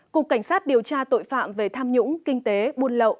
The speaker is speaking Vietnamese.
cục cảnh sát điều tra tội phạm về tham nhũng kinh tế buôn lậu